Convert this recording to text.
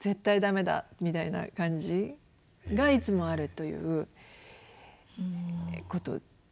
絶対ダメだ！みたいな感じがいつもあるということですかね。